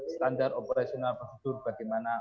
standar operasional prosedur bagaimana